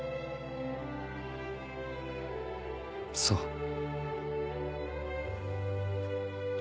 そう。